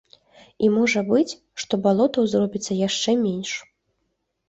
І можа быць, што балотаў зробіцца яшчэ менш.